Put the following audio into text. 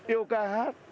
yêu ca hát